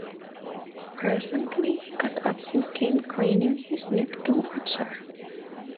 Presently he got up and came craning his neck towards her.